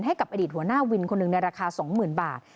ให้กับอดีตหัวหน้าวินคนหนึ่งในราคา๒๐๐๐บาท